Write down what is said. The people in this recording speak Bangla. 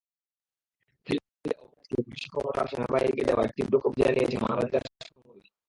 থাইল্যান্ডে অপরাধী আটকে পুলিশি ক্ষমতা সেনাবাহিনীকে দেওয়ায় তীব্র ক্ষোভ জানিয়েছে মানবাধিকার সংগঠনগুলো।